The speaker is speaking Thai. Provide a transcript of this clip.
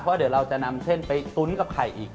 เพราะเดี๋ยวเราจะนำเส้นไปตุ้นกับไข่อีก